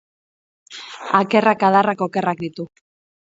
Akerrak, adarrak, okerrak ditu